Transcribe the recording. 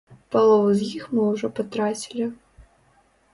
Палову з іх мы ўжо патрацілі.